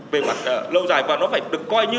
về mặt lâu dài và nó phải được coi như